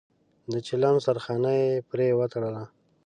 د چيلم سرخانه يې پرې وتړله.